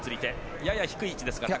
やや低い位置ですが。